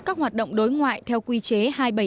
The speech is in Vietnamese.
các hoạt động đối ngoại theo quy chế hai trăm bảy mươi năm